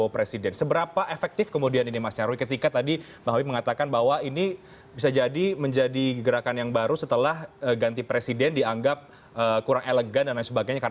praimus akan segera kembali saat lain